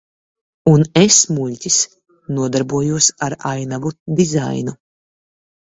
Un es, muļķis, nodarbojos ar ainavu dizainu.